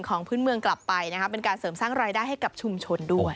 ของพื้นเมืองกลับไปนะครับเป็นการเสริมสร้างรายได้ให้กับชุมชนด้วย